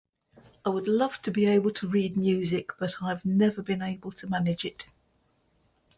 I would love to be able to read music, but I've never been able to manage it.